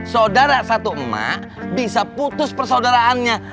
saudara satu emak bisa putus persaudaraannya